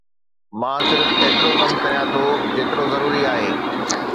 مان صرف ايترو ڪم ڪريان ٿو جيترو ضروري آهي